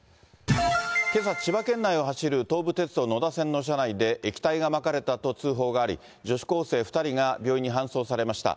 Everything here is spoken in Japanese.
けさ、千葉県内を走る東武鉄道野田線の車内で、液体がまかれたと通報があり、女子高生２人が病院に搬送されました。